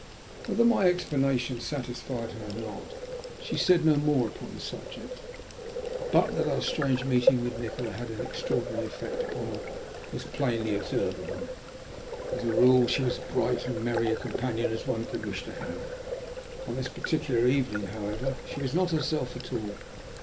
Whether my explanation satisfied her or not, she said no more upon the subject. But that our strange meeting with Nikola had had an extraordinary effect upon her was plainly observable. As a rule she was as bright and merry a companion as one could wish to have; on this particular evening, however, she was not herself at all.